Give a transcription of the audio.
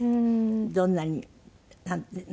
どんなに。